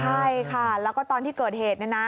ใช่ค่ะแล้วก็ตอนที่เกิดเหตุเนี่ยนะ